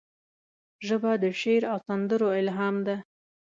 ژبه د شعر او سندرو الهام ده